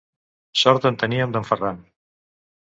Sort en teníem d'en Ferran.